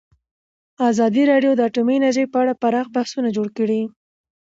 ازادي راډیو د اټومي انرژي په اړه پراخ بحثونه جوړ کړي.